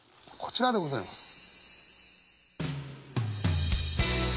こちらでございます。